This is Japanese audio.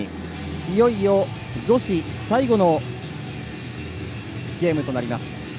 いよいよ女子最後のゲームとなります。